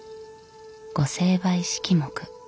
御成敗式目。